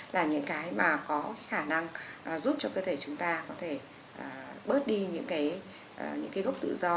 là những cái mà có khả năng giúp cho cơ thể chúng ta có thể bớt đi những cái gốc tự do